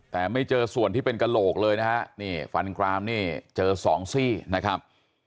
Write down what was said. แต่ไม่เจอส่วนที่เป็นกระโหลกเลยนะฮะนี่ฟันกรามนี่เจอสองซี่นะครับ